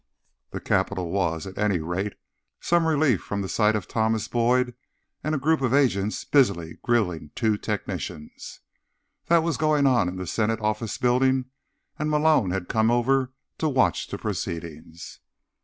The Capitol was, at any rate, some relief from the sight of Thomas Boyd and a group of agents busily grilling two technicians. That was going on in the Senate Office Building, and Malone had come over to watch the proceedings.